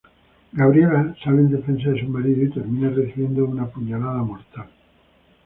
Gabriela sale en defensa de su marido y termina recibiendo una puñalada mortal.